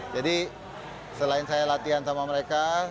jadi selain saya latihan sama mereka